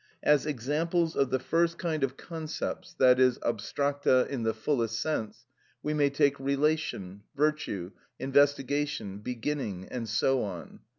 As examples of the first kind of concepts, i.e., abstracta in the fullest sense, we may take "relation," "virtue," "investigation," "beginning," and so on.